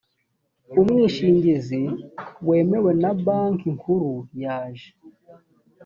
umwishingizi wemewe na banki nkuru yaje